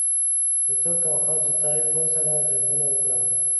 د ترک او خلج له طایفو سره جنګونه وکړل.